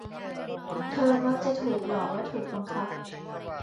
เธอมักจะถูกหลอกและถูกบังคับ